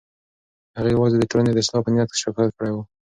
هغې یوازې د ټولنې د اصلاح په نیت شکایت کړی و.